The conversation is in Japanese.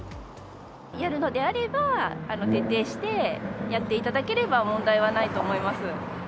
やるのであれば、徹底してやっていただければ問題はないと思います。